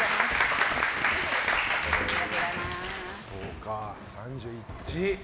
そうか、３１。